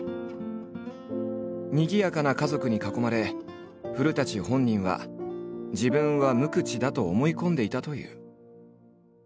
にぎやかな家族に囲まれ古本人は自分は無口だと思い込んでいたという。